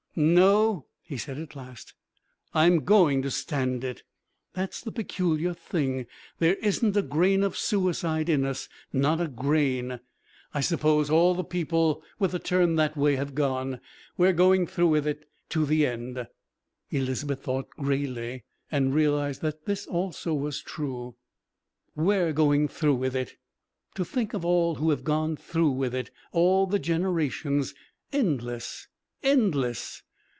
"No," he said at last, "I'm going to stand it. That's the peculiar thing. There isn't a grain of suicide in us not a grain. I suppose all the people with a turn that way have gone. We're going through with it to the end." Elizabeth thought grayly, and realised that this also was true. "We're going through with it. To think of all who have gone through with it: all the generations endless endless.